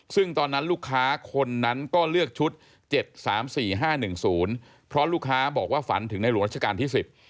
ซึ่งตอนนั้นลูกค้าคนนั้นก็เลือกชุด๗๓๔๕๑๐เพราะลูกค้าบอกว่าฝันถึงในหลวงราชการที่๑๐